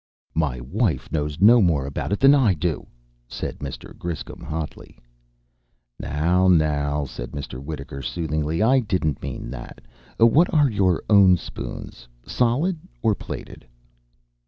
"My wife knows no more about it than I do," said Mr. Griscom hotly. "Now, now," said Mr. Wittaker soothingly. "I didn't mean that. What are your own spoons, solid or plated?"